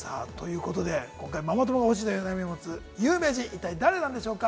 今回、ママ友が欲しいというお悩みを持つ有名人、一体誰なんでしょうか？